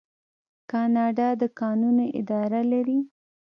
کاناډا د کانونو اداره لري.